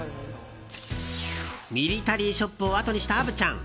ミリタリーショップをあとにした虻ちゃん。